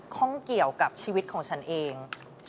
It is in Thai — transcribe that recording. ข้องเกี่ยวกับชีวิตของฉันเอง